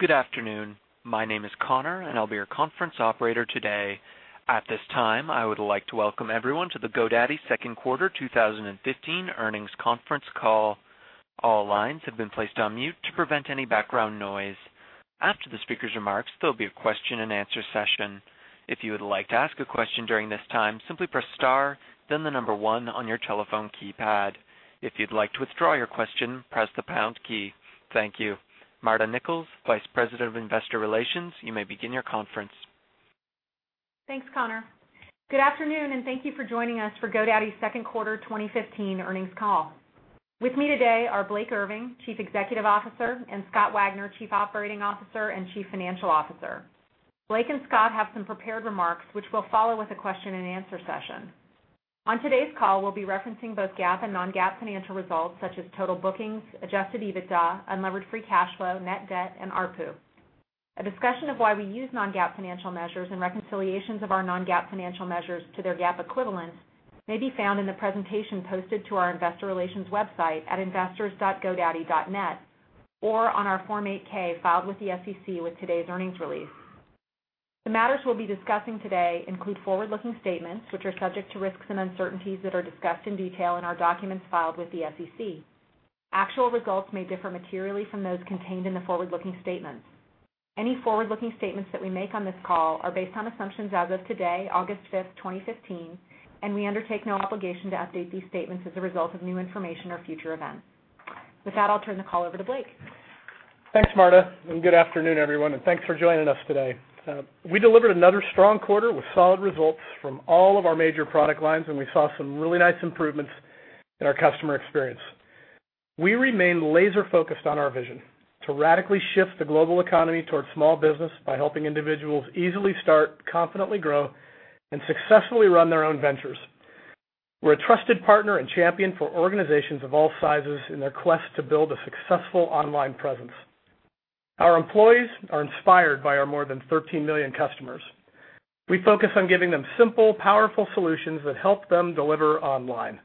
Good afternoon. My name is Connor, and I'll be your conference operator today. At this time, I would like to welcome everyone to the GoDaddy second quarter 2015 earnings conference call. All lines have been placed on mute to prevent any background noise. After the speaker's remarks, there'll be a question and answer session. If you would like to ask a question during this time, simply press star, then number 1 on your telephone keypad. If you'd like to withdraw your question, press the pound key. Thank you. Marta Nichols, Vice President of Investor Relations, you may begin your conference. Thanks, Connor. Good afternoon, and thank you for joining us for GoDaddy second quarter 2015 earnings call. With me today are Blake Irving, Chief Executive Officer, and Scott Wagner, Chief Operating Officer and Chief Financial Officer. Blake and Scott have some prepared remarks, which will follow with a question and answer session. On today's call, we'll be referencing both GAAP and non-GAAP financial results such as total bookings, adjusted EBITDA, unlevered free cash flow, net debt, and ARPU. A discussion of why we use non-GAAP financial measures and reconciliations of our non-GAAP financial measures to their GAAP equivalents may be found in the presentation posted to our investor relations website at investors.godaddy.net or on our Form 8-K filed with the SEC with today's earnings release. The matters we'll be discussing today include forward-looking statements, which are subject to risks and uncertainties that are discussed in detail in our documents filed with the SEC. Actual results may differ materially from those contained in the forward-looking statements. Any forward-looking statements that we make on this call are based on assumptions as of today, August 5th, 2015, and we undertake no obligation to update these statements as a result of new information or future events. With that, I'll turn the call over to Blake. Thanks, Marta, and good afternoon, everyone, and thanks for joining us today. We delivered another strong quarter with solid results from all of our major product lines, and we saw some really nice improvements in our customer experience. We remain laser-focused on our vision to radically shift the global economy towards small business by helping individuals easily start, confidently grow, and successfully run their own ventures. We're a trusted partner and champion for organizations of all sizes in their quest to build a successful online presence. Our employees are inspired by our more than 13 million customers. We focus on giving them simple, powerful solutions that help them deliver online.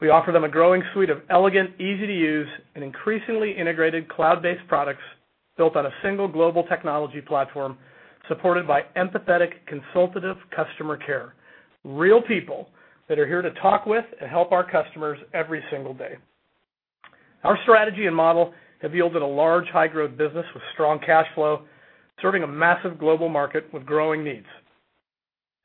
We offer them a growing suite of elegant, easy-to-use, and increasingly integrated cloud-based products built on a single global technology platform supported by empathetic, consultative customer care, real people that are here to talk with and help our customers every single day. Our strategy and model have yielded a large, high-growth business with strong cash flow, serving a massive global market with growing needs.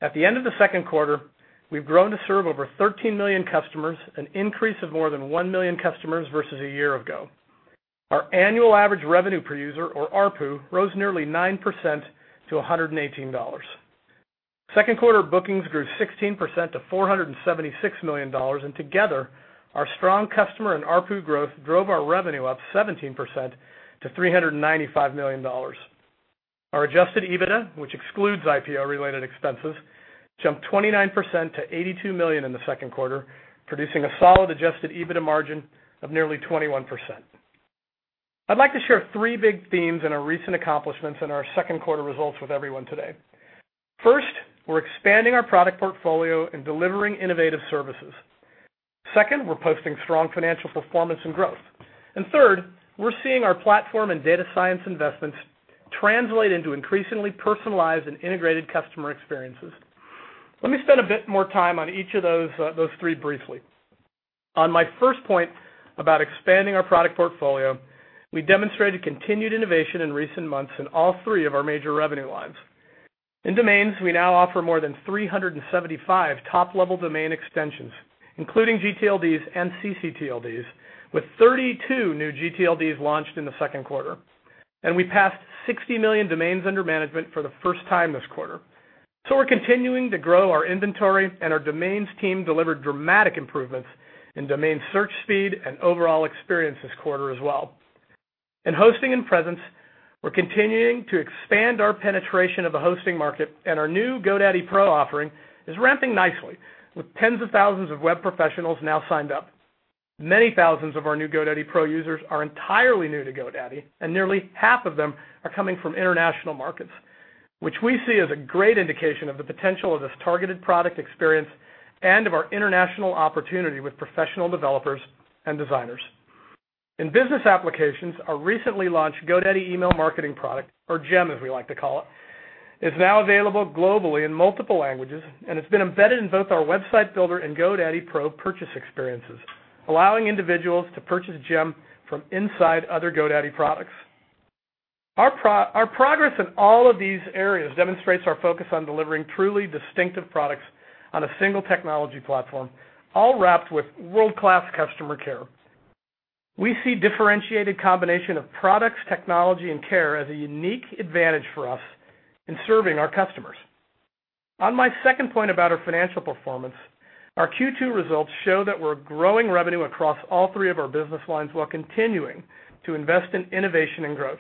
At the end of the second quarter, we've grown to serve over 13 million customers, an increase of more than one million customers versus a year ago. Our annual average revenue per user, or ARPU, rose nearly 9% to $118. Second quarter bookings grew 16% to $476 million, and together, our strong customer and ARPU growth drove our revenue up 17% to $395 million. Our adjusted EBITDA, which excludes IPO-related expenses, jumped 29% to $82 million in the second quarter, producing a solid adjusted EBITDA margin of nearly 21%. I'd like to share three big themes in our recent accomplishments in our second quarter results with everyone today. First, we're expanding our product portfolio and delivering innovative services. Second, we're posting strong financial performance and growth. Third, we're seeing our platform and data science investments translate into increasingly personalized and integrated customer experiences. Let me spend a bit more time on each of those three briefly. On my first point about expanding our product portfolio, we demonstrated continued innovation in recent months in all three of our major revenue lines. In domains, we now offer more than 375 top-level domain extensions, including gTLDs and ccTLDs, with 32 new gTLDs launched in the second quarter. We passed 60 million domains under management for the first time this quarter. We're continuing to grow our inventory, and our domains team delivered dramatic improvements in domain search speed and overall experience this quarter as well. In hosting and presence, we're continuing to expand our penetration of the hosting market, and our new GoDaddy Pro offering is ramping nicely, with tens of thousands of web professionals now signed up. Many thousands of our new GoDaddy Pro users are entirely new to GoDaddy, and nearly half of them are coming from international markets, which we see as a great indication of the potential of this targeted product experience and of our international opportunity with professional developers and designers. In business applications, our recently launched GoDaddy Email Marketing product, or GEM, as we like to call it, is now available globally in multiple languages, and it's been embedded in both our website builder and GoDaddy Pro purchase experiences, allowing individuals to purchase GEM from inside other GoDaddy products. Our progress in all of these areas demonstrates our focus on delivering truly distinctive products on a single technology platform, all wrapped with world-class customer care. We see differentiated combination of products, technology, and care as a unique advantage for us in serving our customers. On my second point about our financial performance, our Q2 results show that we're growing revenue across all three of our business lines while continuing to invest in innovation and growth,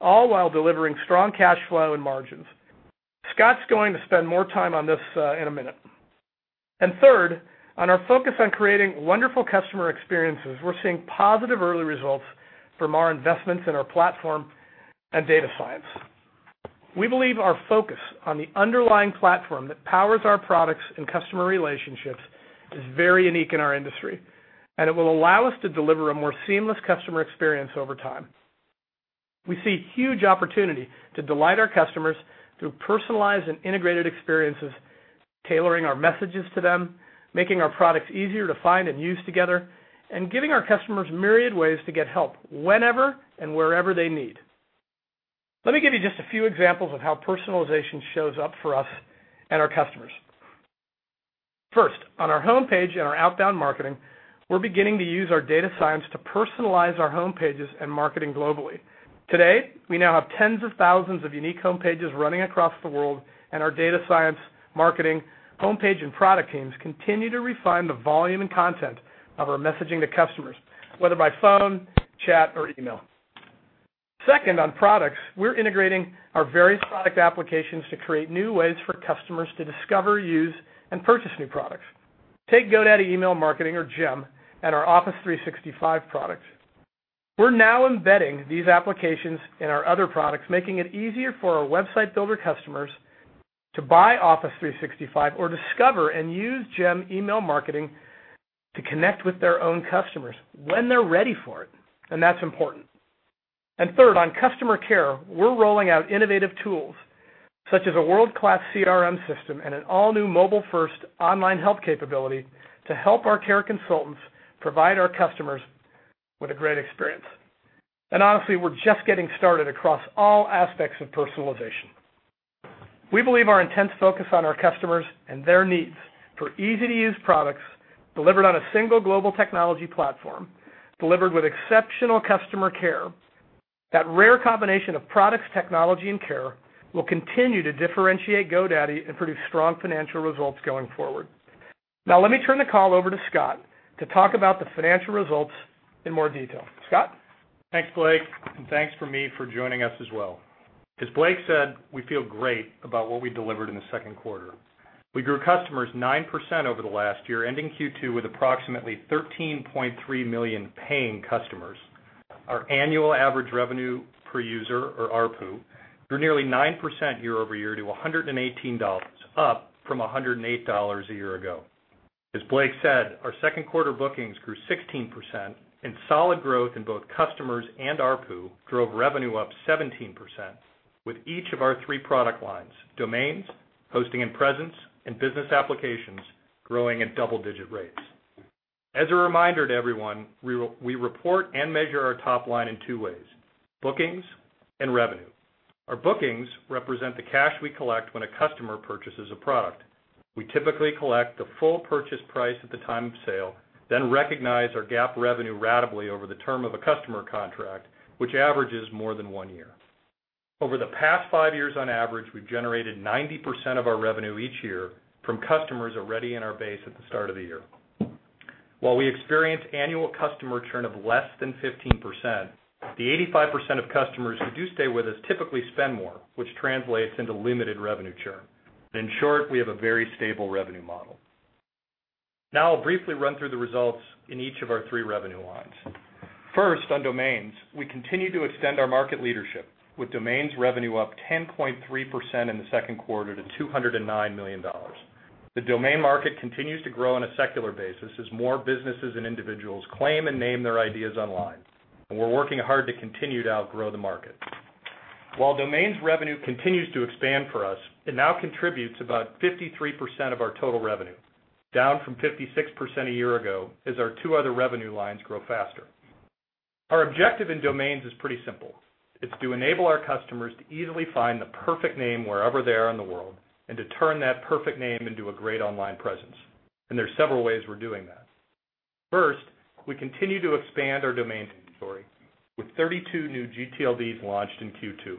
all while delivering strong cash flow and margins. Scott's going to spend more time on this in a minute. Third, on our focus on creating wonderful customer experiences, we're seeing positive early results from our investments in our platform and data science. We believe our focus on the underlying platform that powers our products and customer relationships is very unique in our industry, and it will allow us to deliver a more seamless customer experience over time. We see huge opportunity to delight our customers through personalized and integrated experiences, tailoring our messages to them, making our products easier to find and use together, and giving our customers myriad ways to get help whenever and wherever they need. Let me give you just a few examples of how personalization shows up for us and our customers. First, on our homepage and our outbound marketing, we're beginning to use our data science to personalize our homepages and marketing globally. Today, we now have tens of thousands of unique homepages running across the world. Our data science, marketing, homepage, and product teams continue to refine the volume and content of our messaging to customers, whether by phone, chat, or email. Second, on products, we're integrating our various product applications to create new ways for customers to discover, use, and purchase new products. Take GoDaddy Email Marketing, or GEM, and our Office 365 products. We're now embedding these applications in our other products, making it easier for our website builder customers to buy Office 365 or discover and use GEM Email Marketing to connect with their own customers when they're ready for it. That's important. Third, on customer care, we're rolling out innovative tools such as a world-class CRM system and an all-new mobile-first online help capability to help our care consultants provide our customers with a great experience. Honestly, we're just getting started across all aspects of personalization. We believe our intense focus on our customers and their needs for easy-to-use products delivered on a single global technology platform, delivered with exceptional customer care. That rare combination of products, technology, and care will continue to differentiate GoDaddy and produce strong financial results going forward. Let me turn the call over to Scott to talk about the financial results in more detail. Scott? Thanks, Blake, and thanks for me for joining us as well. As Blake said, we feel great about what we delivered in the second quarter. We grew customers 9% over the last year, ending Q2 with approximately 13.3 million paying customers. Our annual average revenue per user, or ARPU, grew nearly 9% year-over-year to $118, up from $108 a year ago. As Blake said, our second quarter bookings grew 16%. Solid growth in both customers and ARPU drove revenue up 17%, with each of our three product lines, domains, hosting and presence, and business applications, growing at double-digit rates. A reminder to everyone, we report and measure our top line in two ways, bookings and revenue. Our bookings represent the cash we collect when a customer purchases a product. We typically collect the full purchase price at the time of sale, then recognize our GAAP revenue ratably over the term of a customer contract, which averages more than one year. Over the past five years on average, we've generated 90% of our revenue each year from customers already in our base at the start of the year. While we experience annual customer churn of less than 15%, the 85% of customers who do stay with us typically spend more, which translates into limited revenue churn. In short, we have a very stable revenue model. I'll briefly run through the results in each of our three revenue lines. First, on domains, we continue to extend our market leadership with domains revenue up 10.3% in the second quarter to $209 million. The domain market continues to grow on a secular basis as more businesses and individuals claim and name their ideas online. We're working hard to continue to outgrow the market. While domains revenue continues to expand for us, it now contributes about 53% of our total revenue, down from 56% a year ago as our two other revenue lines grow faster. Our objective in domains is pretty simple. It's to enable our customers to easily find the perfect name wherever they are in the world and to turn that perfect name into a great online presence. There are several ways we're doing that. First, we continue to expand our domain inventory with 32 new gTLDs launched in Q2.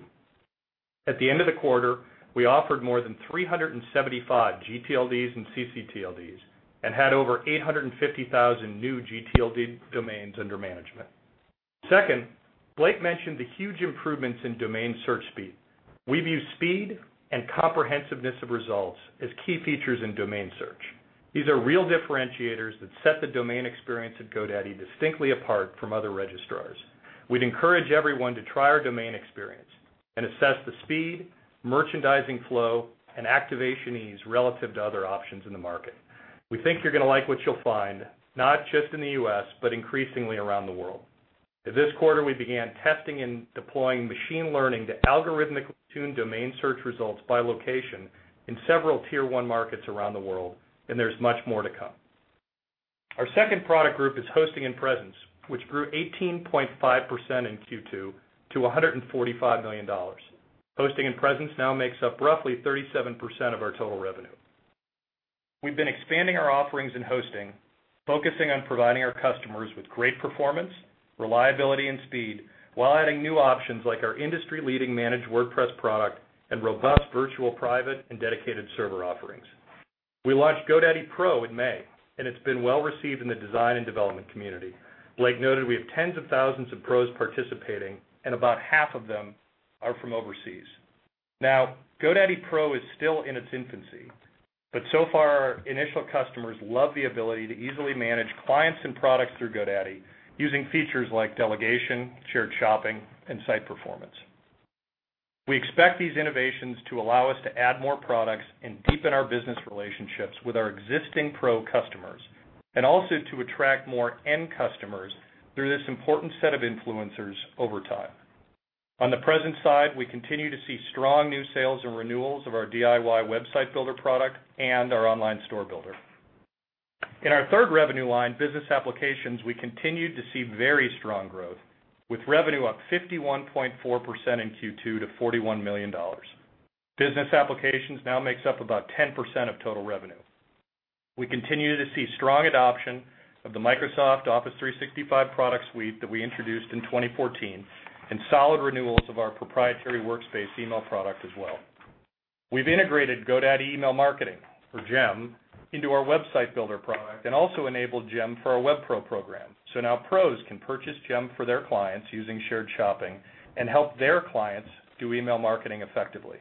At the end of the quarter, we offered more than 375 gTLDs and ccTLDs and had over 850,000 new gTLD domains under management. Second, Blake mentioned the huge improvements in domain search speed. We view speed and comprehensiveness of results as key features in domain search. These are real differentiators that set the domain experience at GoDaddy distinctly apart from other registrars. We'd encourage everyone to try our domain experience and assess the speed, merchandising flow, and activation ease relative to other options in the market. We think you're going to like what you'll find, not just in the U.S., but increasingly around the world. This quarter, we began testing and deploying machine learning to algorithmically tune domain search results by location in several tier-1 markets around the world. There's much more to come. Our second product group is hosting and presence, which grew 18.5% in Q2 to $145 million. Hosting and presence now makes up roughly 37% of our total revenue. We've been expanding our offerings in hosting, focusing on providing our customers with great performance, reliability, and speed while adding new options like our industry-leading managed WordPress product and robust virtual private and dedicated server offerings. We launched GoDaddy Pro in May. It's been well-received in the design and development community. Blake noted we have tens of thousands of pros participating. About half of them are from overseas. GoDaddy Pro is still in its infancy. So far, our initial customers love the ability to easily manage clients and products through GoDaddy using features like delegation, shared shopping, and site performance. We expect these innovations to allow us to add more products and deepen our business relationships with our existing Pro customers, also to attract more end customers through this important set of influencers over time. On the Presence side, we continue to see strong new sales and renewals of our DIY website builder product and our online store builder. In our third revenue line, business applications, we continued to see very strong growth with revenue up 51.4% in Q2 to $41 million. Business applications now makes up about 10% of total revenue. We continue to see strong adoption of the Microsoft Office 365 product suite that we introduced in 2014, and solid renewals of our proprietary workspace email product as well. We've integrated GoDaddy Email Marketing, or GEM, into our website builder product and also enabled GEM for our Web Pro program. Pros can purchase GEM for their clients using shared shopping and help their clients do email marketing effectively.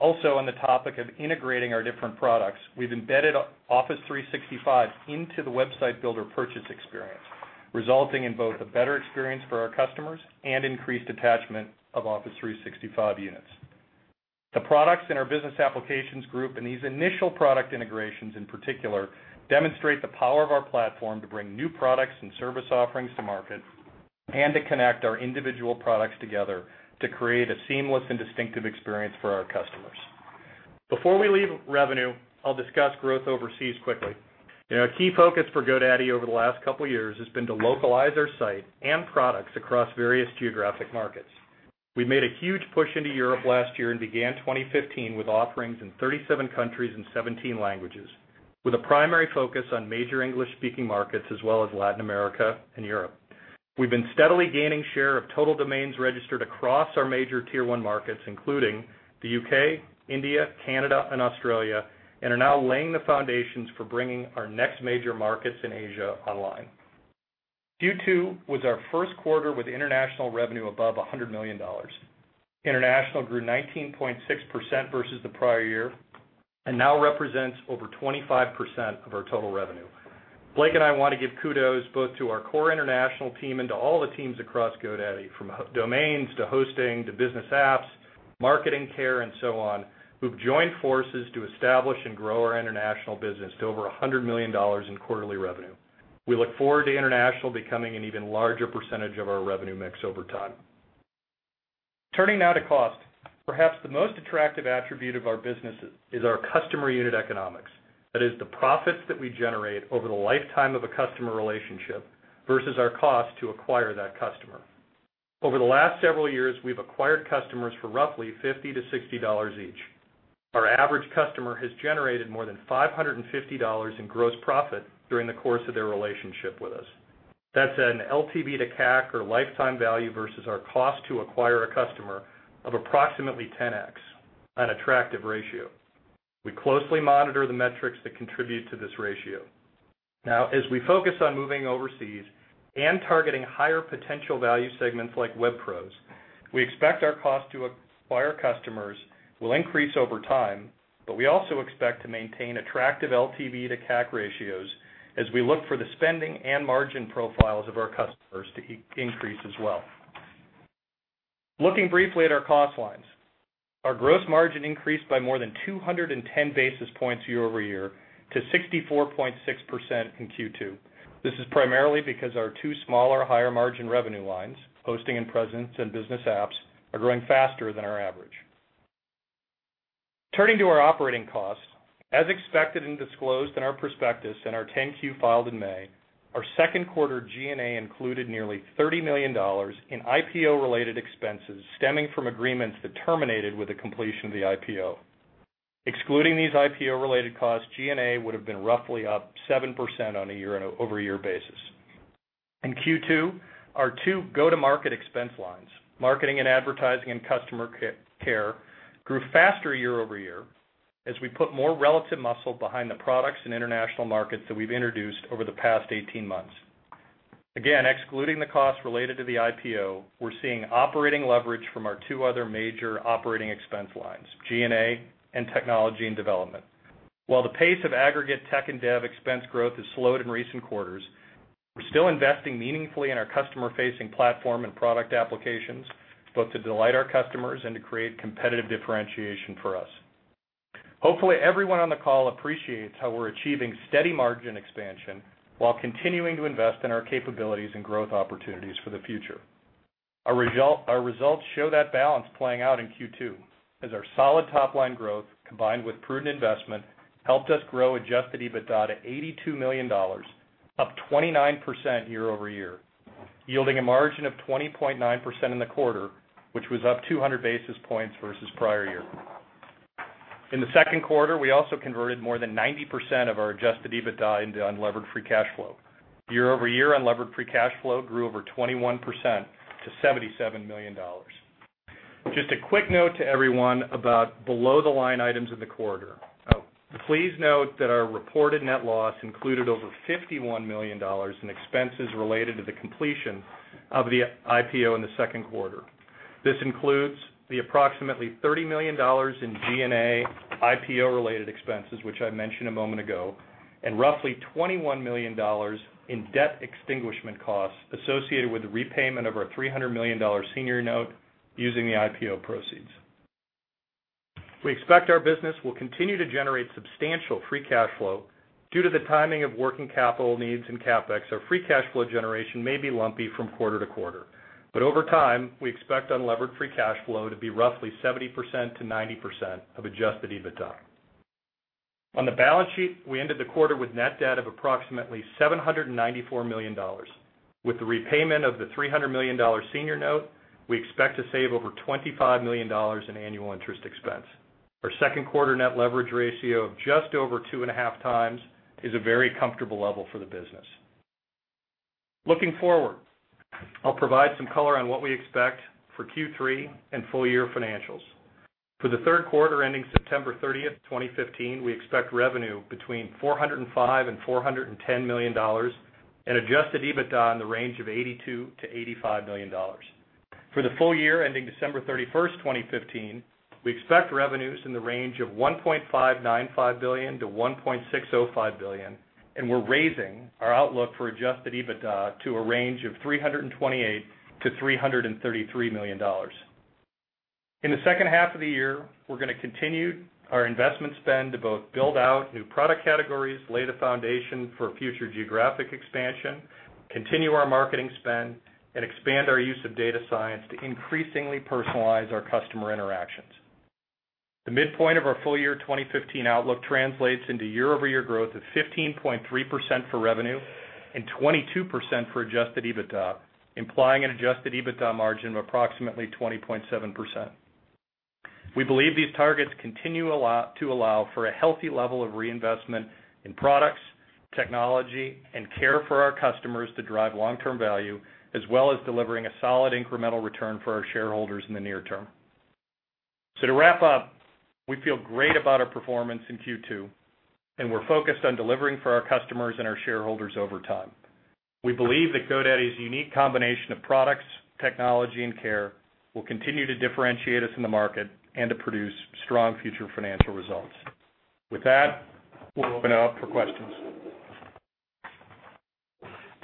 On the topic of integrating our different products, we've embedded Office 365 into the website builder purchase experience, resulting in both a better experience for our customers and increased attachment of Office 365 units. The products in our business applications group, and these initial product integrations in particular, demonstrate the power of our platform to bring new products and service offerings to market, and to connect our individual products together to create a seamless and distinctive experience for our customers. Before we leave revenue, I'll discuss growth overseas quickly. A key focus for GoDaddy over the last couple of years has been to localize our site and products across various geographic markets. We made a huge push into Europe last year and began 2015 with offerings in 37 countries and 17 languages, with a primary focus on major English-speaking markets as well as Latin America and Europe. We've been steadily gaining share of total domains registered across our major tier-1 markets, including the U.K., India, Canada, and Australia, and are now laying the foundations for bringing our next major markets in Asia online. Q2 was our first quarter with international revenue above $100 million. International grew 19.6% versus the prior year and now represents over 25% of our total revenue. Blake and I want to give kudos both to our core international team and to all the teams across GoDaddy, from domains to hosting, to business apps, marketing care, and so on, who've joined forces to establish and grow our international business to over $100 million in quarterly revenue. We look forward to international becoming an even larger percentage of our revenue mix over time. Turning now to cost. Perhaps the most attractive attribute of our business is our customer unit economics. That is the profits that we generate over the lifetime of a customer relationship versus our cost to acquire that customer. Over the last several years, we've acquired customers for roughly $50-$60 each. Our average customer has generated more than $550 in gross profit during the course of their relationship with us. That's an LTV to CAC, or lifetime value versus our cost to acquire a customer, of approximately 10x, an attractive ratio. We closely monitor the metrics that contribute to this ratio. As we focus on moving overseas and targeting higher potential value segments like Web Pros, we expect our cost to acquire customers will increase over time, but we also expect to maintain attractive LTV to CAC ratios as we look for the spending and margin profiles of our customers to increase as well. Looking briefly at our cost lines. Our gross margin increased by more than 210 basis points year-over-year to 64.6% in Q2. This is primarily because our two smaller higher-margin revenue lines, hosting and presence and business apps, are growing faster than our average. Turning to our operating costs, as expected and disclosed in our prospectus and our 10-Q filed in May, our second quarter G&A included nearly $30 million in IPO-related expenses stemming from agreements that terminated with the completion of the IPO. Excluding these IPO-related costs, G&A would have been roughly up 7% on an over year basis. In Q2, our two go-to-market expense lines, marketing and advertising and customer care, grew faster year-over-year as we put more relative muscle behind the products and international markets that we've introduced over the past 18 months. Again, excluding the costs related to the IPO, we're seeing operating leverage from our two other major operating expense lines, G&A and technology and development. While the pace of aggregate tech and dev expense growth has slowed in recent quarters, we're still investing meaningfully in our customer-facing platform and product applications, both to delight our customers and to create competitive differentiation for us. Hopefully, everyone on the call appreciates how we're achieving steady margin expansion while continuing to invest in our capabilities and growth opportunities for the future. Our results show that balance playing out in Q2, as our solid top-line growth, combined with prudent investment, helped us grow adjusted EBITDA to $82 million, up 29% year-over-year, yielding a margin of 20.9% in the quarter, which was up 200 basis points versus prior year. In the second quarter, we also converted more than 90% of our adjusted EBITDA into unlevered free cash flow. Year-over-year, unlevered free cash flow grew over 21% to $77 million. Just a quick note to everyone about below the line items in the quarter. Please note that our reported net loss included over $51 million in expenses related to the completion of the IPO in the second quarter. This includes the approximately $30 million in G&A IPO-related expenses, which I mentioned a moment ago, and roughly $21 million in debt extinguishment costs associated with the repayment of our $300 million senior note using the IPO proceeds. We expect our business will continue to generate substantial free cash flow. Due to the timing of working capital needs and CapEx, our free cash flow generation may be lumpy from quarter to quarter, but over time, we expect unlevered free cash flow to be roughly 70%-90% of adjusted EBITDA. On the balance sheet, we ended the quarter with net debt of approximately $794 million. With the repayment of the $300 million senior note, we expect to save over $25 million in annual interest expense. Our second quarter net leverage ratio of just over 2.5x is a very comfortable level for the business. Looking forward, I'll provide some color on what we expect for Q3 and full year financials. For the third quarter ending September 30th, 2015, we expect revenue between $405 million and $410 million, and adjusted EBITDA in the range of $82 million-$85 million. For the full year ending December 31st, 2015, we expect revenues in the range of $1.595 billion-$1.605 billion, and we're raising our outlook for adjusted EBITDA to a range of $328 million-$333 million. In the second half of the year, we're going to continue our investment spend to both build out new product categories, lay the foundation for future geographic expansion, continue our marketing spend, and expand our use of data science to increasingly personalize our customer interactions. The midpoint of our full year 2015 outlook translates into year-over-year growth of 15.3% for revenue and 22% for adjusted EBITDA, implying an adjusted EBITDA margin of approximately 20.7%. We believe these targets continue to allow for a healthy level of reinvestment in products, technology, and care for our customers to drive long-term value, as well as delivering a solid incremental return for our shareholders in the near term. To wrap up, we feel great about our performance in Q2, and we're focused on delivering for our customers and our shareholders over time. We believe that GoDaddy's unique combination of products, technology, and care will continue to differentiate us in the market and to produce strong future financial results. With that, we'll open it up for questions.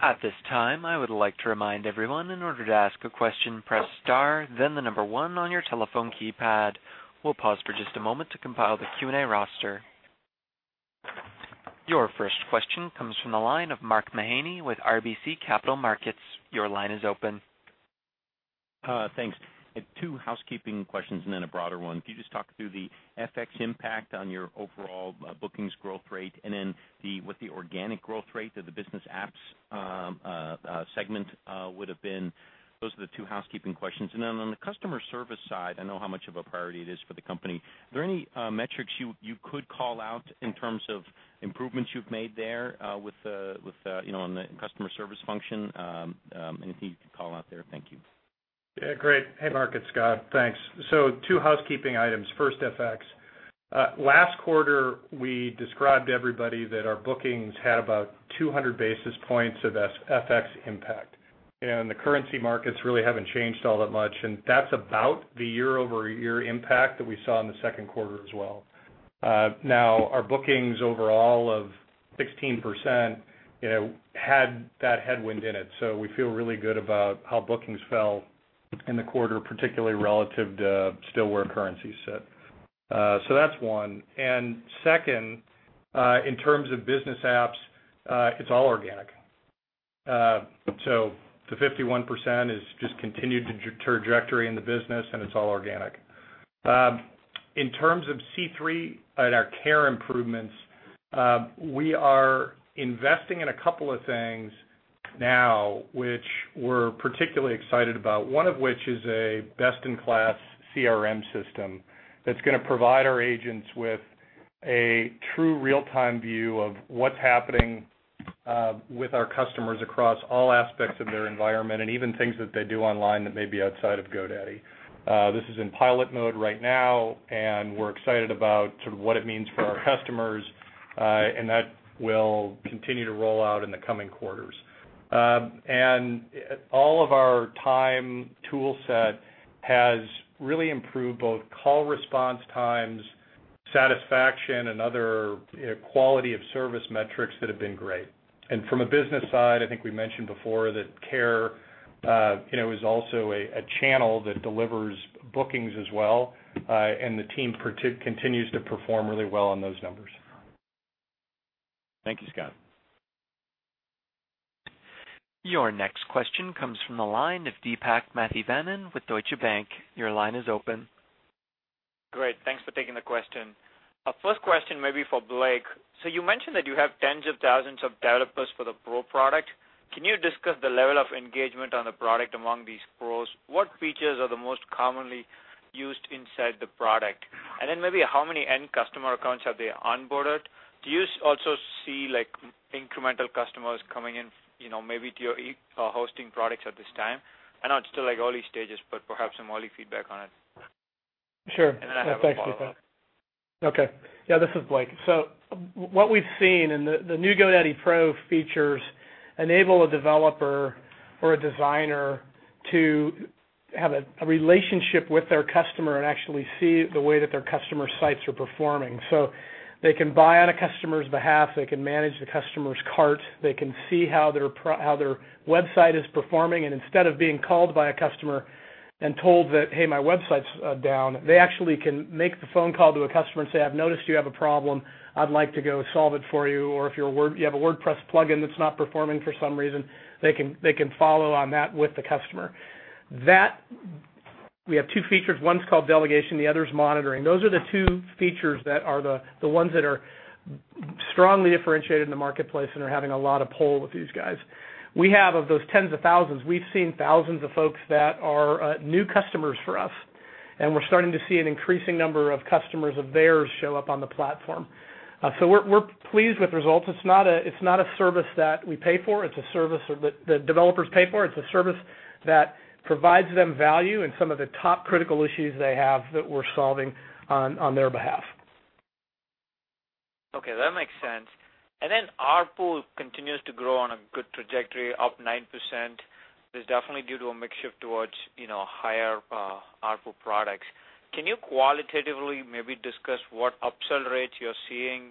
At this time, I would like to remind everyone, in order to ask a question, press star, then the number one on your telephone keypad. We'll pause for just a moment to compile the Q&A roster. Your first question comes from the line of Mark Mahaney with RBC Capital Markets. Your line is open. Thanks. I have two housekeeping questions and then a broader one. Can you just talk through the FX impact on your overall bookings growth rate? What the organic growth rate of the business apps segment would've been? Those are the two housekeeping questions. On the customer service side, I know how much of a priority it is for the company. Are there any metrics you could call out in terms of improvements you've made there on the customer service function? Anything you can call out there? Thank you. Yeah, great. Hey, Mark, it's Scott. Thanks. Two housekeeping items. First, FX. Last quarter, we described to everybody that our bookings had about 200 basis points of FX impact, and the currency markets really haven't changed all that much, and that's about the year-over-year impact that we saw in the second quarter as well. Our bookings overall of 16% had that headwind in it, so we feel really good about how bookings fell in the quarter, particularly relative to still where currency sit. That's one. Second, in terms of business apps, it's all organic. The 51% is just continued trajectory in the business, and it's all organic. In terms of C3 and our care improvements, we are investing in a couple of things now which we're particularly excited about, one of which is a best-in-class CRM system that's going to provide our agents with a true real-time view of what's happening with our customers across all aspects of their environment, and even things that they do online that may be outside of GoDaddy. This is in pilot mode right now, and we're excited about what it means for our customers, and that will continue to roll out in the coming quarters. All of our time tool set has really improved both call response times, satisfaction, and other quality of service metrics that have been great. From a business side, I think we mentioned before that care is also a channel that delivers bookings as well, and the team continues to perform really well on those numbers. Thank you, Scott. Your next question comes from the line of Deepak Mathivanan with Deutsche Bank. Your line is open. Great. Thanks for taking the question. First question may be for Blake. You mentioned that you have tens of thousands of developers for the Pro product. Can you discuss the level of engagement on the product among these Pros? What features are the most commonly used inside the product? Maybe how many end customer accounts have they onboarded? Do you also see incremental customers coming in, maybe to your hosting products at this time? I know it's still early stages, but perhaps some early feedback on it. Sure. Thanks, Deepak. Okay. Yeah, this is Blake. What we've seen in the new GoDaddy Pro features enable a developer or a designer to have a relationship with their customer and actually see the way that their customer sites are performing. They can buy on a customer's behalf, they can manage the customer's cart, they can see how their website is performing, instead of being called by a customer and told that, "Hey, my website's down," they actually can make the phone call to a customer and say, "I've noticed you have a problem. I'd like to go solve it for you." If you have a WordPress plugin that's not performing for some reason, they can follow on that with the customer. We have two features. One's called delegation, the other is monitoring. Those are the two features that are the ones that are strongly differentiated in the marketplace and are having a lot of pull with these guys. We have, of those tens of thousands, we've seen thousands of folks that are new customers for us, we're starting to see an increasing number of customers of theirs show up on the platform. We're pleased with results. It's not a service that we pay for. It's a service that developers pay for. It's a service that provides them value in some of the top critical issues they have that we're solving on their behalf. Okay, that makes sense. ARPU continues to grow on a good trajectory, up 9%. This is definitely due to a mix shift towards higher ARPU products. Can you qualitatively maybe discuss what upsell rates you're seeing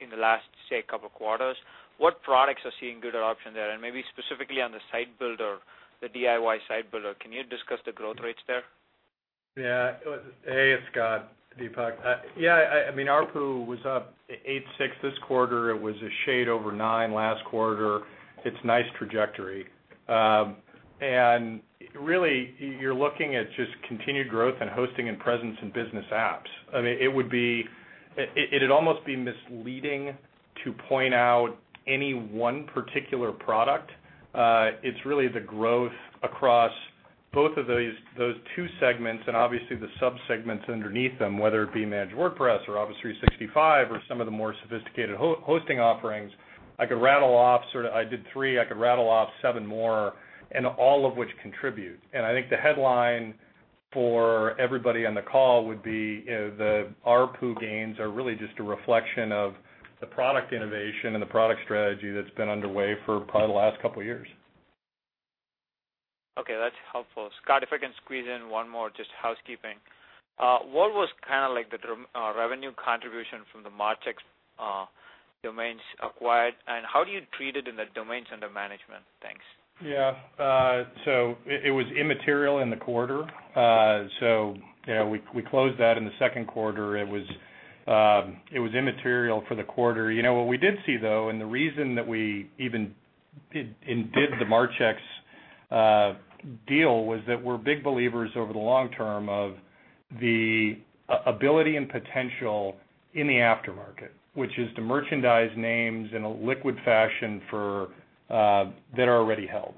in the last, say, couple quarters? What products are seeing good adoption there? Maybe specifically on the site builder, the DIY site builder, can you discuss the growth rates there? Hey, it's Scott, Deepak. I mean, ARPU was up 8.6% this quarter. It was a shade over 9% last quarter. It's nice trajectory. Really, you're looking at just continued growth in hosting and presence in business apps. I mean, it'd almost be misleading to point out any one particular product. It's really the growth across both of those two segments and obviously the sub-segments underneath them, whether it be Managed WordPress or Office 365 or some of the more sophisticated hosting offerings. I did three, I could rattle off seven more, all of which contribute. I think the headline for everybody on the call would be the ARPU gains are really just a reflection of the product innovation and the product strategy that's been underway for probably the last couple of years. Okay, that's helpful. Scott, if I can squeeze in one more, just housekeeping. What was kind of like the revenue contribution from the Marchex domains acquired, and how do you treat it in the domains under management? Thanks. It was immaterial in the quarter. We closed that in the second quarter. It was immaterial for the quarter. What we did see, though, the reason that we even did the Marchex deal was that we're big believers over the long term of the ability and potential in the aftermarket, which is to merchandise names in a liquid fashion that are already held.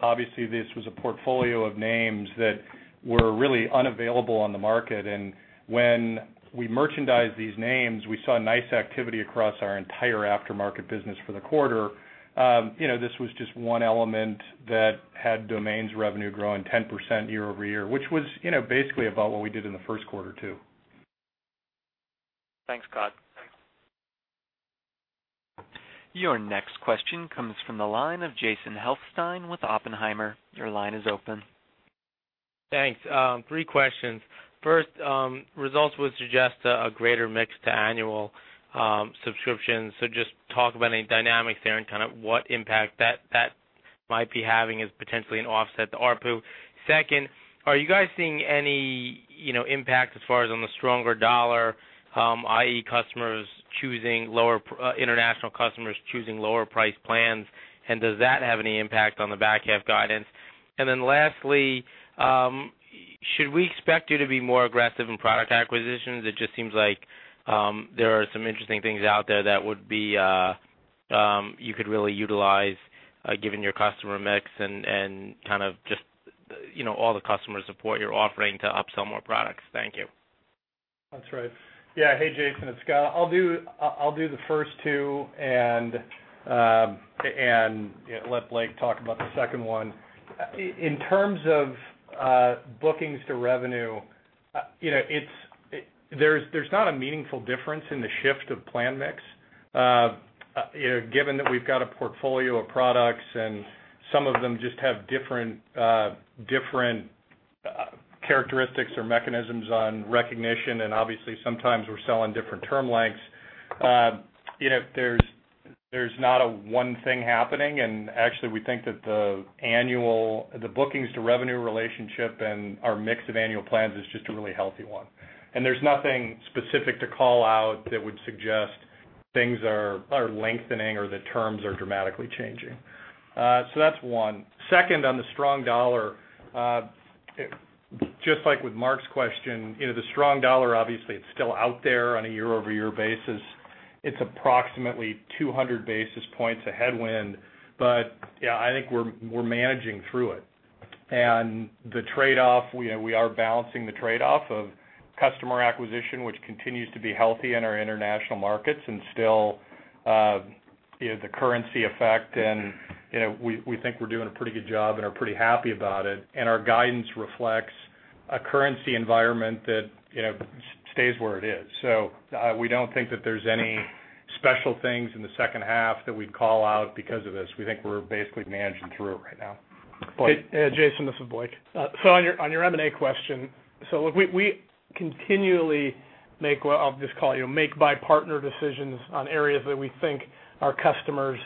Obviously, this was a portfolio of names that were really unavailable on the market. When we merchandise these names, we saw nice activity across our entire aftermarket business for the quarter. This was just one element that had domains revenue growing 10% year-over-year, which was basically about what we did in the first quarter, too. Thanks, Scott. Your next question comes from the line of Jason Helfstein with Oppenheimer. Your line is open. Thanks. Three questions. First, results would suggest a greater mix to annual subscriptions. Just talk about any dynamics there and kind of what impact that might be having as potentially an offset to ARPU. Second, are you guys seeing any impact as far as on the stronger dollar, i.e., international customers choosing lower price plans? Does that have any impact on the back half guidance? Lastly, should we expect you to be more aggressive in product acquisitions? It just seems like there are some interesting things out there that you could really utilize given your customer mix and kind of just all the customer support you're offering to upsell more products. Thank you. That's right. Yeah. Hey, Jason, it's Scott. I'll do the first two and let Blake talk about the second one. In terms of bookings to revenue, there's not a meaningful difference in the shift of plan mix, given that we've got a portfolio of products, and some of them just have different characteristics or mechanisms on recognition, and obviously, sometimes we're selling different term lengths. There's not a one thing happening, and actually, we think that the bookings to revenue relationship and our mix of annual plans is just a really healthy one. There's nothing specific to call out that would suggest things are lengthening or the terms are dramatically changing. That's one. Second, on the strong dollar, just like with Mark's question, the strong dollar, obviously, it's still out there on a year-over-year basis. It's approximately 200 basis points a headwind, yeah, I think we're managing through it. The trade-off, we are balancing the trade-off of Customer acquisition, which continues to be healthy in our international markets and still the currency effect, and we think we're doing a pretty good job and are pretty happy about it. Our guidance reflects a currency environment that stays where it is. We don't think that there's any special things in the second half that we'd call out because of this. We think we're basically managing through it right now. Blake? Jason, this is Blake. On your M&A question, look, we continually make what I'll just call, make buy partner decisions on areas that we think our customers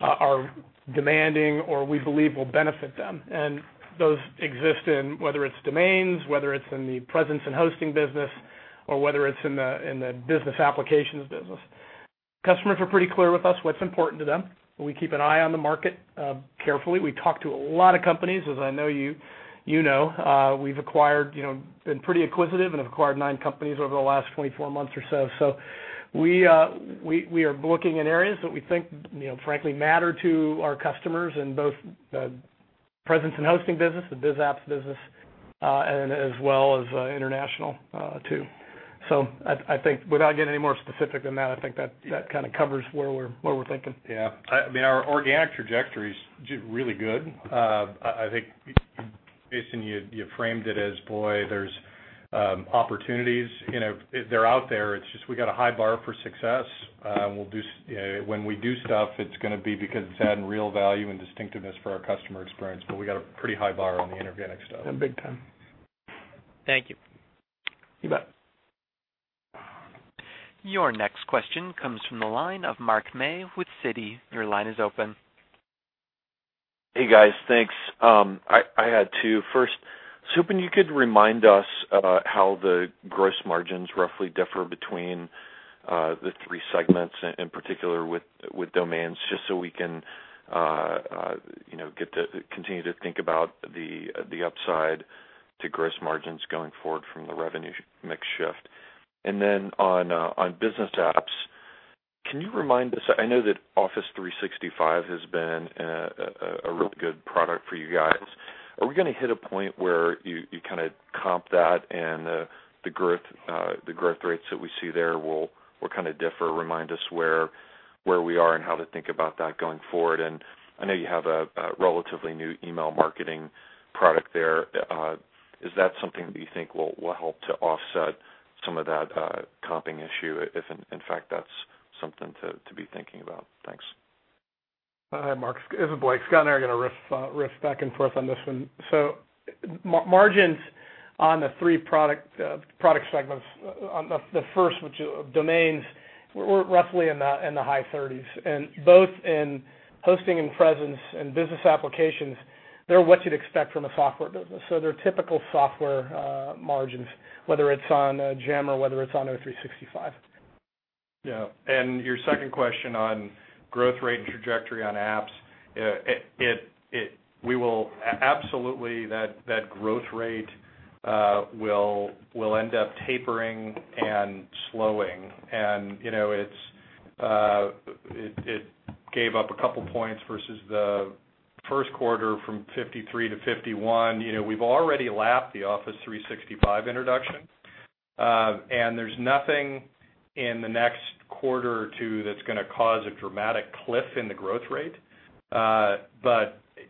are demanding or we believe will benefit them. Those exist in whether it's domains, whether it's in the presence and hosting business, or whether it's in the business applications business. Customers are pretty clear with us what's important to them. We keep an eye on the market carefully. We talk to a lot of companies, as I know you know. We've been pretty acquisitive and have acquired nine companies over the last 24 months or so. We are looking in areas that we think frankly matter to our customers in both the presence and hosting business, the biz apps business, as well as international too. I think without getting any more specific than that, I think that kind of covers where we're thinking. Yeah. I mean, our organic trajectory's really good. I think, Jason, you framed it as, boy, there's opportunities. They're out there. It's just we got a high bar for success. When we do stuff, it's going to be because it's adding real value and distinctiveness for our customer experience. We got a pretty high bar on the inorganic stuff. Yeah, big time. Thank you. You bet. Your next question comes from the line of Mark May with Citi. Your line is open. Hey, guys. Thanks. I had two. First, was hoping you could remind us about how the gross margins roughly differ between the three segments, in particular with domains, just so we can continue to think about the upside to gross margins going forward from the revenue mix shift. On business apps, can you remind us, I know that Office 365 has been a really good product for you guys. Are we going to hit a point where you kind of comp that and the growth rates that we see there will kind of differ? Remind us where we are and how to think about that going forward. I know you have a relatively new email marketing product there. Is that something that you think will help to offset some of that comping issue, if in fact that's something to be thinking about? Thanks. Mark, this is Blake. Scott and I are going to riff back and forth on this one. Margins on the three product segments. On the first, which is domains, we're roughly in the high 30s. Both in hosting and presence and business applications, they're what you'd expect from a software business. They're typical software margins, whether it's on GEM or whether it's on O365. Yeah. Your second question on growth rate and trajectory on apps. Absolutely, that growth rate will end up tapering and slowing. It gave up a couple points versus the first quarter from 53 to 51. We've already lapped the Office 365 introduction. There's nothing in the next quarter or two that's going to cause a dramatic cliff in the growth rate.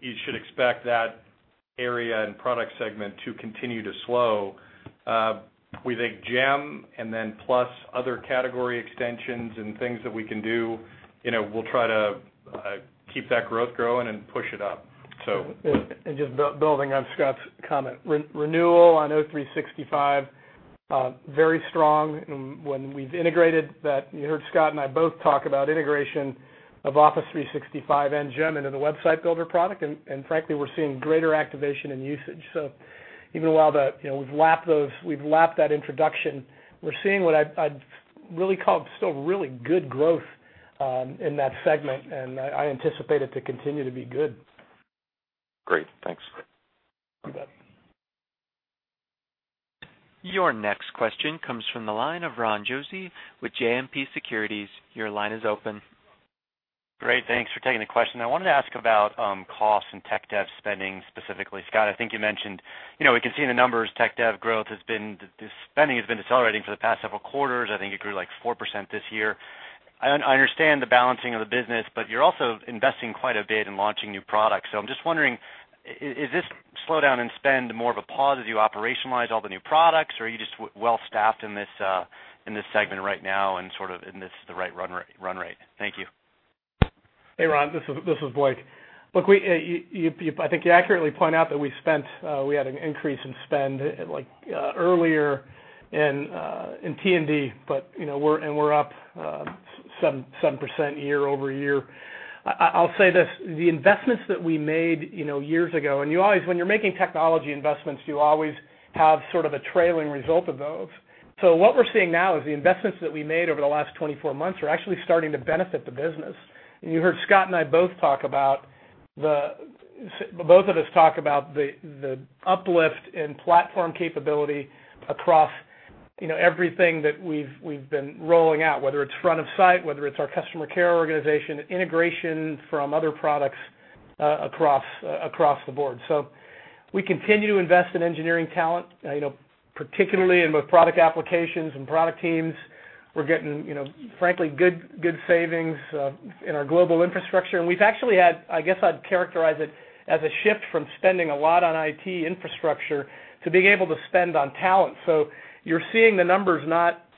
You should expect that area and product segment to continue to slow. We think GEM and then plus other category extensions and things that we can do, we'll try to keep that growth growing and push it up. Just building on Scott's comment. Renewal on O365, very strong. When we've integrated that, you heard Scott and I both talk about integration of Office 365 and GEM into the website builder product, and frankly, we're seeing greater activation and usage. Even while we've lapped that introduction, we're seeing what I'd really call still really good growth in that segment, and I anticipate it to continue to be good. Great. Thanks. You bet. Your next question comes from the line of Ron Josey with JMP Securities. Your line is open. Great. Thanks for taking the question. I wanted to ask about cost and tech dev spending, specifically. Scott, I think you mentioned, we can see in the numbers tech dev growth, the spending has been accelerating for the past several quarters. I think it grew like 4% this year. I understand the balancing of the business, but you're also investing quite a bit in launching new products. I'm just wondering, is this slowdown in spend more of a pause as you operationalize all the new products, or are you just well-staffed in this segment right now and sort of in the right run rate? Thank you. Hey, Ron. This is Blake. Look, I think you accurately point out that we had an increase in spend like earlier in T&D, we're up 7% year-over-year. I'll say this, the investments that we made years ago, when you're making technology investments, you always have sort of a trailing result of those. What we're seeing now is the investments that we made over the last 24 months are actually starting to benefit the business. You heard Scott and I, both of us talk about the uplift in platform capability across everything that we've been rolling out, whether it's front of site, whether it's our customer care organization, integration from other products across the board. We continue to invest in engineering talent, particularly in both product applications and product teams. We're getting, frankly, good savings in our global infrastructure. We've actually had, I guess I'd characterize it as a shift from spending a lot on IT infrastructure to being able to spend on talent. You're seeing the numbers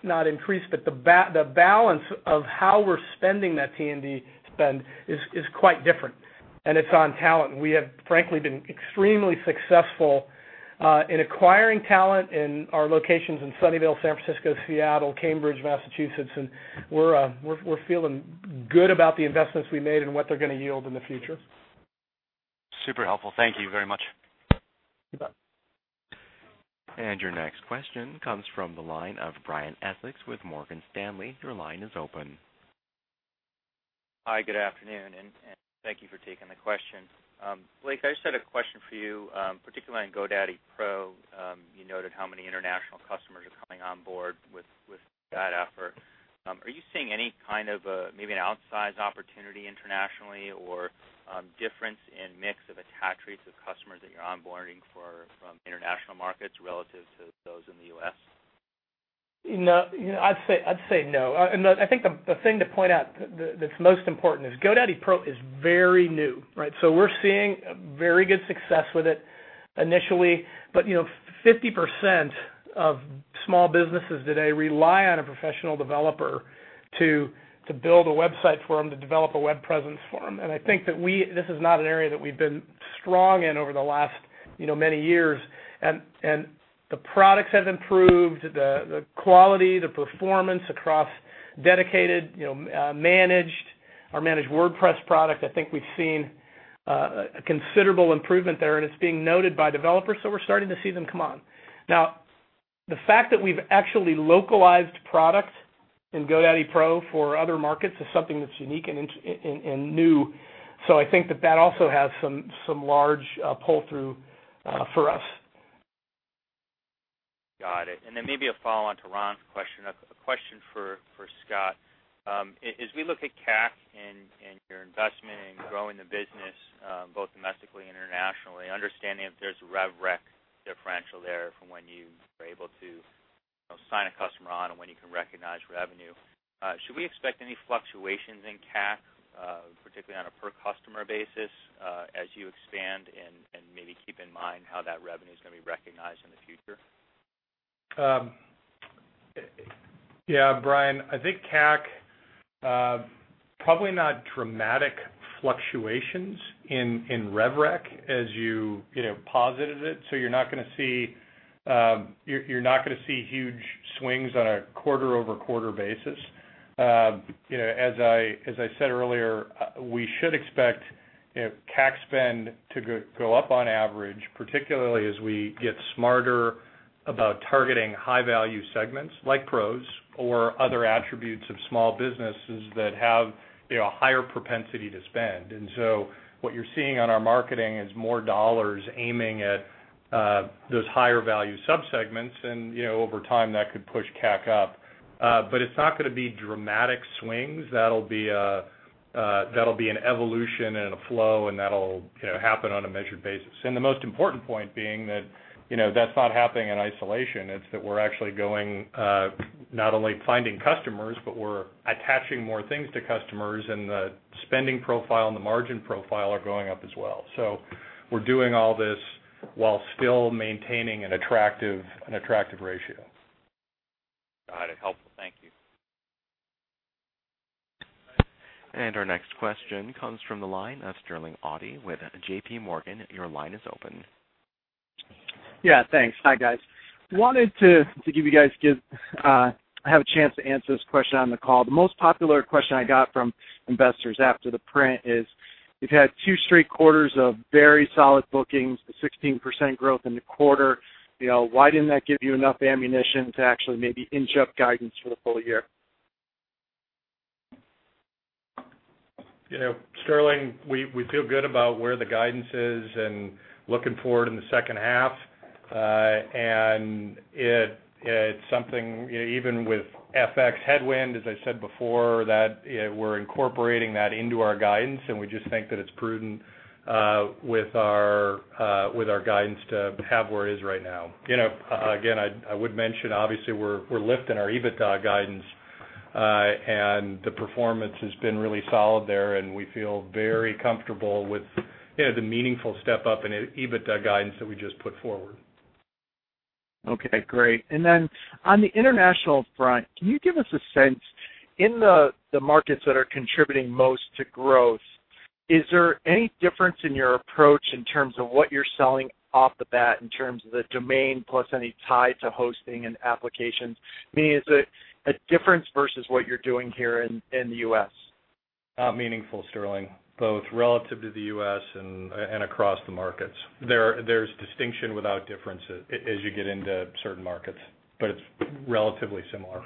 not increase, but the balance of how we're spending that T&D spend is quite different, and it's on talent. We have, frankly, been extremely successful in acquiring talent in our locations in Sunnyvale, San Francisco, Seattle, Cambridge, Massachusetts, and we're feeling good about the investments we made and what they're going to yield in the future. Super helpful. Thank you very much. You bet. Your next question comes from the line of Brian Essex with Morgan Stanley. Your line is open. Hi, good afternoon, and thank you for taking the question. Blake, I just had a question for you, particularly on GoDaddy Pro. You noted how many international customers are coming on board with that effort. Are you seeing any kind of maybe an outsized opportunity internationally or difference in mix of attributes of customers that you're onboarding from international markets relative to those in the U.S.? I'd say no. I think the thing to point out that's most important is GoDaddy Pro is very new, right? We're seeing very good success with it initially. 50% of small businesses today rely on a professional developer to build a website for them, to develop a web presence for them. I think that this is not an area that we've been strong in over the last many years. The products have improved, the quality, the performance across dedicated, managed or managed WordPress product, I think we've seen a considerable improvement there, and it's being noted by developers, so we're starting to see them come on. Now, the fact that we've actually localized product in GoDaddy Pro for other markets is something that's unique and new. I think that that also has some large pull-through for us. Got it. Maybe a follow-on to Ron's question, a question for Scott. As we look at CAC and your investment in growing the business both domestically and internationally, understanding if there's a rev rec differential there from when you were able to sign a customer on and when you can recognize revenue, should we expect any fluctuations in CAC, particularly on a per-customer basis, as you expand and maybe keep in mind how that revenue is going to be recognized in the future? Brian, I think CAC, probably not dramatic fluctuations in rev rec as you posited it. You're not going to see huge swings on a quarter-over-quarter basis. As I said earlier, we should expect CAC spend to go up on average, particularly as we get smarter about targeting high-value segments like pros or other attributes of small businesses that have a higher propensity to spend. What you're seeing on our marketing is more dollars aiming at those higher-value subsegments, and over time, that could push CAC up. It's not going to be dramatic swings. That'll be an evolution and a flow, and that'll happen on a measured basis. The most important point being that that's not happening in isolation. It's that we're actually going, not only finding customers, but we're attaching more things to customers, and the spending profile and the margin profile are going up as well. We're doing all this while still maintaining an attractive ratio. Got it. Helpful. Thank you. Our next question comes from the line of Sterling Auty with J.P. Morgan. Your line is open. Thanks. Hi, guys. I wanted to give you guys a chance to answer this question on the call. The most popular question I got from investors after the print is, you've had 2 straight quarters of very solid bookings, the 16% growth in the quarter. Why didn't that give you enough ammunition to actually maybe inch up guidance for the full year? Sterling, we feel good about where the guidance is and looking forward in the second half. It's something, even with FX headwind, as I said before, that we're incorporating that into our guidance, and we just think that it's prudent with our guidance to have where it is right now. Again, I would mention, obviously, we're lifting our EBITDA guidance, and the performance has been really solid there, and we feel very comfortable with the meaningful step-up in EBITDA guidance that we just put forward. Okay, great. On the international front, can you give us a sense in the markets that are contributing most to growth, is there any difference in your approach in terms of what you're selling off the bat in terms of the domain plus any tie to hosting and applications? Meaning, is it a difference versus what you're doing here in the U.S.? Not meaningful, Sterling, both relative to the U.S. and across the markets. There's distinction without difference as you get into certain markets, but it's relatively similar.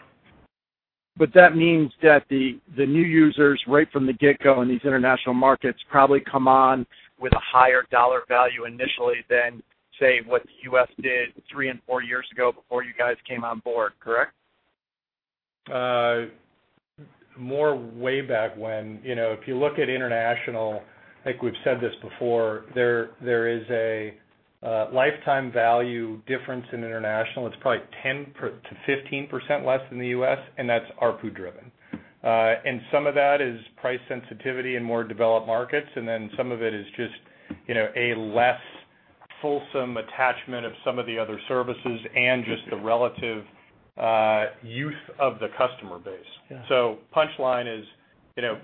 That means that the new users right from the get-go in these international markets probably come on with a higher dollar value initially than, say, what the U.S. did three and four years ago before you guys came on board, correct? More way back when, if you look at international, I think we've said this before, there is a lifetime value difference in international. It's probably 10%-15% less than the U.S., and that's ARPU driven. Some of that is price sensitivity in more developed markets, some of it is just a less fulsome attachment of some of the other services and just the relative youth of the customer base. Yeah. Punchline is,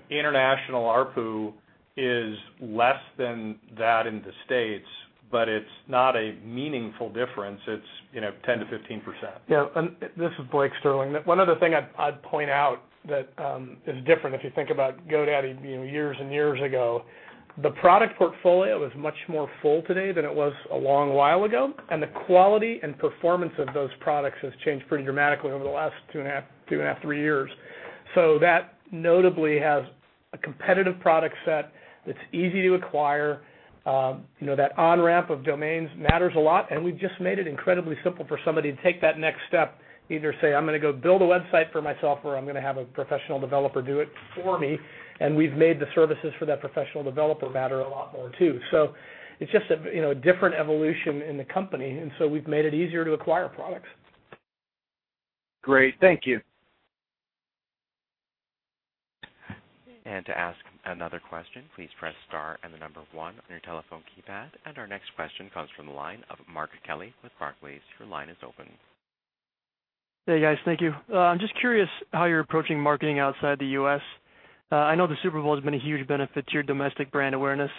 international ARPU is less than that in the States, but it's not a meaningful difference. It's 10%-15%. This is Blake Irving. One other thing I'd point out that is different, if you think about GoDaddy years and years ago, the product portfolio is much more full today than it was a long while ago, and the quality and performance of those products has changed pretty dramatically over the last two and a half, three years. That notably has a competitive product set that's easy to acquire. That on-ramp of domains matters a lot, and we've just made it incredibly simple for somebody to take that next step, either say, "I'm going to go build a website for myself," or, "I'm going to have a professional developer do it for me." We've made the services for that professional developer matter a lot more, too. It's just a different evolution in the company, we've made it easier to acquire products. Great. Thank you. To ask another question, please press star and the number 1 on your telephone keypad. Our next question comes from the line of Mark Kelly with Barclays. Your line is open. Hey, guys. Thank you. I'm just curious how you're approaching marketing outside the U.S. I know the Super Bowl has been a huge benefit to your domestic brand awareness.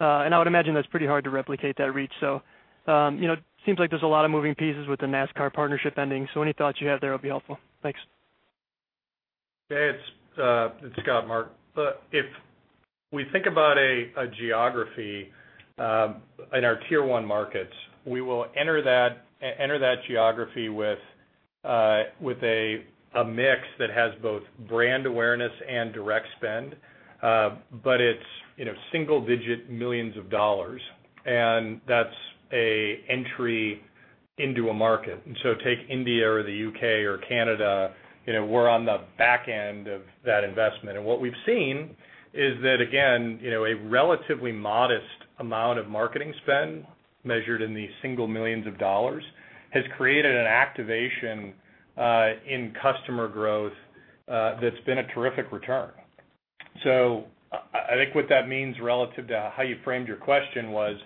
I would imagine that's pretty hard to replicate that reach. It seems like there's a lot of moving pieces with the NASCAR partnership ending, any thoughts you have there would be helpful. Thanks. Hey, it's Scott, Mark. If we think about a geography in our tier 1 markets, we will enter that geography with a mix that has both brand awareness and direct spend. It's single-digit millions of dollars, and that's a entry into a market. Take India or the U.K. or Canada, we're on the back end of that investment. What we've seen is that, again, a relatively modest amount of marketing spend, measured in the single millions of dollars, has created an activation in customer growth that's been a terrific return. I think what that means relative to how you framed your question was,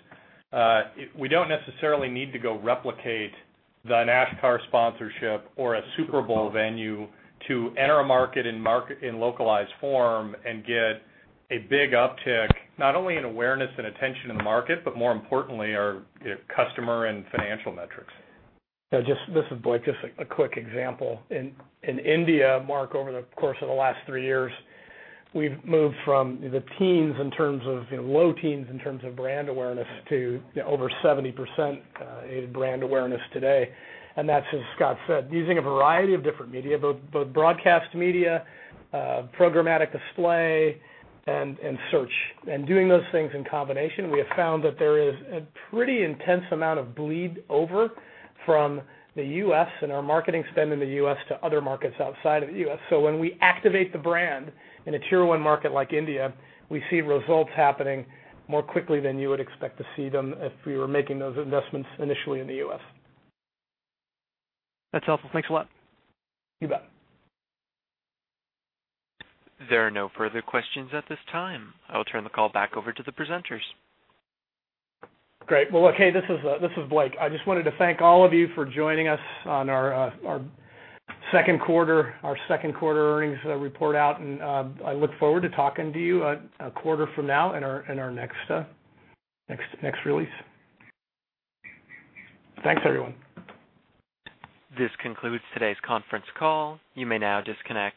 we don't necessarily need to go replicate the NASCAR sponsorship or a Super Bowl venue to enter a market in localized form and get a big uptick, not only in awareness and attention in the market, but more importantly, our customer and financial metrics. This is Blake. Just a quick example. In India, Mark, over the course of the last three years, we've moved from the teens, in terms of low teens, in terms of brand awareness, to over 70% in brand awareness today. That's, as Scott said, using a variety of different media, both broadcast media, programmatic display, and search. Doing those things in combination, we have found that there is a pretty intense amount of bleed over from the U.S. and our marketing spend in the U.S. to other markets outside of the U.S. When we activate the brand in a tier 1 market like India, we see results happening more quickly than you would expect to see them if we were making those investments initially in the U.S. That's helpful. Thanks a lot. You bet. There are no further questions at this time. I will turn the call back over to the presenters. Great. Well, look, hey, this is Blake. I just wanted to thank all of you for joining us on our second quarter earnings report-out, and I look forward to talking to you a quarter from now in our next release. Thanks, everyone. This concludes today's conference call. You may now disconnect.